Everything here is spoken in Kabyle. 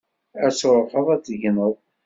Ad truḥeḍ ad tegneḍ?